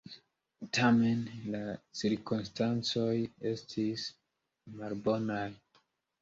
Tamen, la cirkonstancoj estis malbonaj.